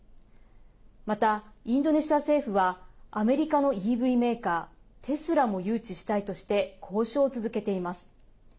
また、インドネシア政府はアメリカのＥＶメーカーテスラも誘致したいとして交渉を続けています。